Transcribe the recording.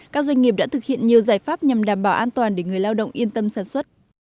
các doanh nghiệp đã thực hiện nhiều giải pháp nhằm đảm bảo an toàn để người lao động yên tâm sản xuất